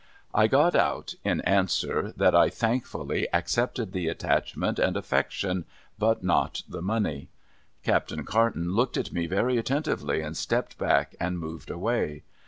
I got out, in answer, that I thankfully accepted the attachment and affection, but not the money. Captain Carton looked at me very attentively, and stepped back, and moved away.